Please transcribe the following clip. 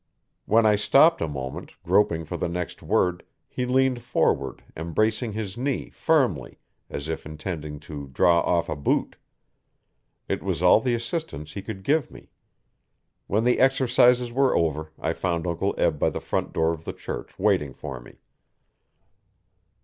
When I stopped a moment, groping for the next word, he leaned forward, embracing his knee, firmly, as if intending to draw off a boot. It was all the assistance he could give me. When the exercises were over I found Uncle Eb by the front door of the church, waiting for me.